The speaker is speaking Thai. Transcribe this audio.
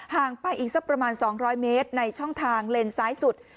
งไปอีกสักประมาณ๒๐๐เมตรในช่องทางเลนซ้ายสุด